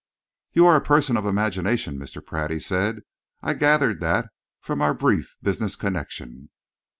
"You are a person of imagination, Mr. Pratt," he said. "I gathered that from our brief business connection."